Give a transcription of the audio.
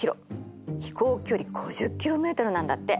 飛行距離５０ｋｍなんだって。